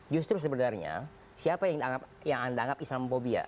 justru sebenarnya siapa yang anda anggap islamophobia